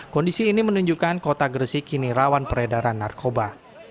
kondisi ini menunjukkan kota gresik kini rawan peredaran narkoba